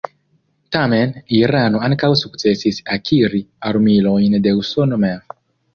Tamen, Irano ankaŭ sukcesis akiri armilojn de Usono mem.